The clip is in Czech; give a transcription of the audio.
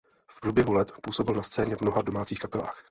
V průběhu let působil na scéně v mnoha domácích kapelách.